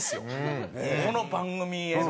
この番組への。